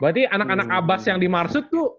berarti anak anak abas yang dimarsut tuh